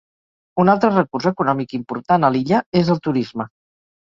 Un altre recurs econòmic important a l'illa és el turisme.